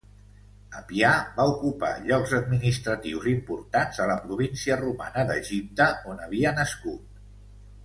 Apià va ocupar llocs administratius importants a la província romana d'Egipte on havia nascut.